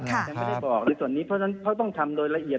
ยังไม่ได้บอกในส่วนนี้เพราะฉะนั้นเขาต้องทำโดยละเอียด